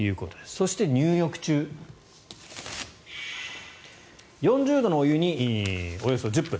そして、入浴中４０度のお湯におよそ１０分。